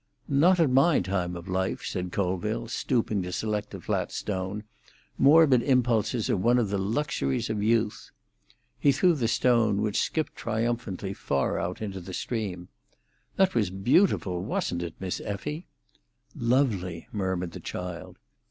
"Not at my time of life," said Colville, stooping to select a flat stone. "Morbid impulses are one of the luxuries of youth." He threw the stone, which skipped triumphantly far out into the stream. "That was beautiful, wasn't it, Miss Effie?" "Lovely!" murmured the child.